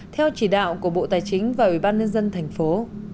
theo chỉ đạo của bộ tài chính và ủy ban nhân dân thành phố